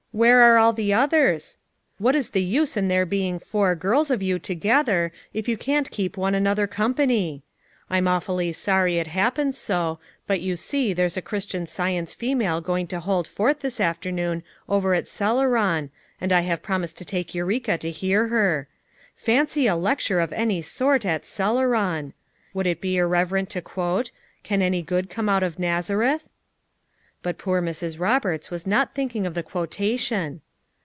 Where are all the others? What is the use in there heing 'four girls' of you together if you can't keep one another company? I'm aw fully sorry it happens so, but you see there's a Christian Science female going to hold forth this afternoon over at Celeron and I have prom ised to take Eureka to hear her. Fancy a lec ture of any sort at Celeron! Would it be ir reverent to quote: 'Can any good come out of Nazareth?'" But poor Mrs. Koberts was not thinking of the quotation.